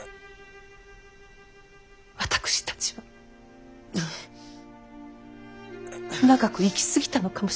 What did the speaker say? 私たちは長く生き過ぎたのかもしれない。